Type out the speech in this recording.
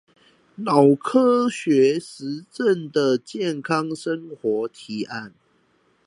腦科學實證的健康生活提案